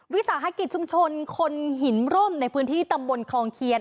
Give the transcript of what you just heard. วิสาหกิจชุมชนคนหินร่มในพื้นที่ตำบลคลองเคียน